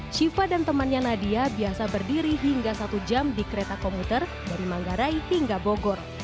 shiva dan temannya nadia biasa berdiri hingga satu jam di kereta komuter dari manggarai hingga bogor